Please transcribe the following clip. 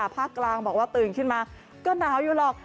ภาคกลางบอกว่าตื่นขึ้นมาก็หนาวอยู่หรอก